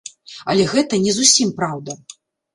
Але гэта не зусім праўда.